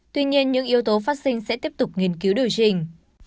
tuy nhiên những yếu tố phát sinh sẽ tiếp tục nghiên cứu điều chỉnh